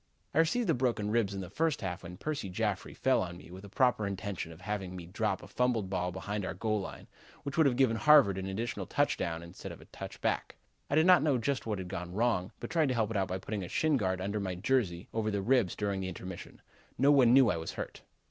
"I received the broken ribs in the first half when Percy Jaffrey fell on me with a proper intention of having me drop a fumbled ball behind our goal line, which would have given Harvard an additional touchdown instead of a touchback. I did not know just what had gone wrong but tried to help it out by putting a shin guard under my jersey over the ribs during the intermission. No one knew I was hurt.